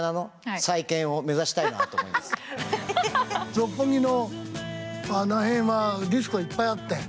六本木のあの辺はディスコいっぱいあって。